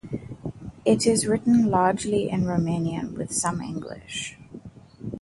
It is written largely in Romanian with some English.